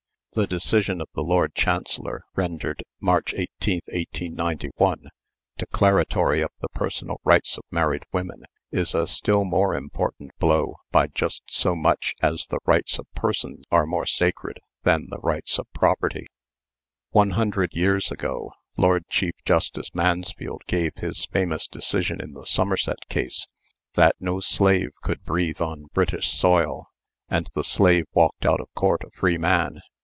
The decision of the Lord Chancellor, rendered March 18, 1891, declaratory of the personal rights of married women, is a still more important blow by just so much as the rights of person are more sacred than the rights of property. One hundred years ago, Lord Chief Justice Mansfield gave his famous decision in the Somerset case, "That no slave could breathe on British soil," and the slave walked out of court a free man.